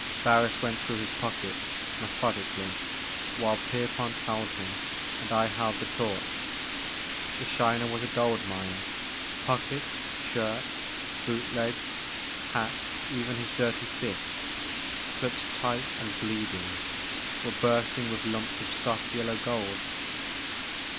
Harris went through his pockets methodically while Pierpont held him and I held the torch. The Shiner was a gold mine ; pockets, shirt, boot legs, hat, even his dirty fists, clutched tight and bleeding, were bursting with lumps of soft yellow gold.